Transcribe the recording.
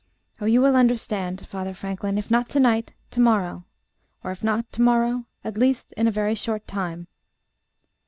Oh! you will understand, Father Franklin if not to night, to morrow; or if not to morrow, at least in a very short time."